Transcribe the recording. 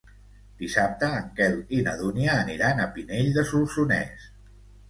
Dissabte en Quel i na Dúnia aniran a Pinell de Solsonès.